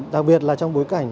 đặc biệt là trong bối cảnh